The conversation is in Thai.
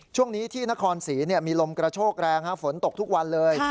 ช่วงนี้ที่นครศรีมีลมกระโชกแรงฝนตกทุกวันเลย